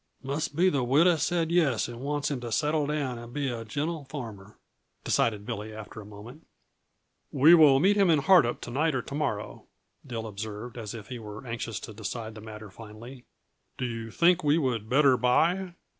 "Must be the widow said yes and wants him to settle down and be a gentle farmer," decided Billy after a moment. "We will meet him in Hardup to night or to morrow," Dill observed, as if he were anxious to decide the matter finally. "Do you think we would better buy?"